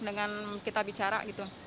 dengan kita bicara gitu